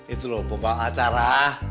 itu lho pembawa acara